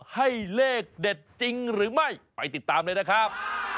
ให้เลขเด็ดจริงหรือไม่ไปติดตามเลยนะครับ